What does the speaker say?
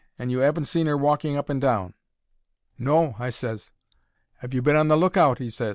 And you 'aven't seen her walking up and down?" "No," I ses. "'Ave you been on the look out?" he ses.